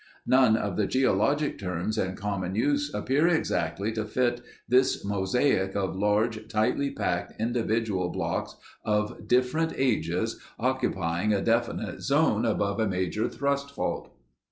"None of the geologic terms in common use appear exactly to fit this mosaic of large tightly packed individual blocks of different ages occupying a definite zone above a major thrust fault."